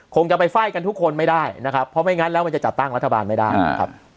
คงจะไปไฟ่กันทุกคนไม่ได้นะครับเพราะไม่งั้นแล้วมันจะจัดตั้งรัฐบาลไม่ได้ครับ